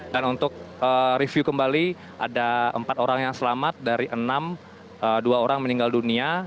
dan untuk review kembali ada empat orang yang selamat dari enam dua orang meninggal dunia